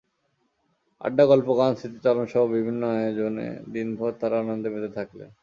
আড্ডা, গল্প, গান, স্মৃতিচারণসহ বিভিন্ন আয়োজনে দিনভর তাঁরা আনন্দে মেতে থাকলেন।